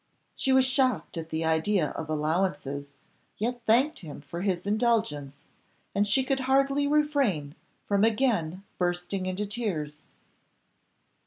She was shocked at the idea of allowances, yet thanked him for his indulgence, and she could hardly refrain from again bursting into tears.